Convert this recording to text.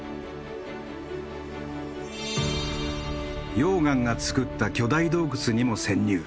溶岩がつくった巨大洞窟にも潜入。